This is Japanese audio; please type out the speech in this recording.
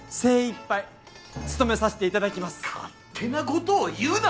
勝手な事を言うな！